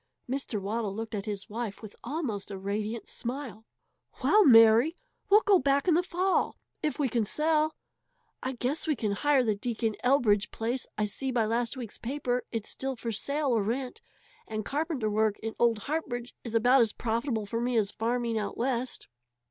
Mr. Waddle looked at his wife with almost a radiant smile. "Well, Mary, we'll go back in the fall if we can sell. I guess we can hire the Deacon Elbridge place I see by last week's paper it's still for sale or rent, and carpenter work in old Hartbridge is about as profitable for me as farming out West."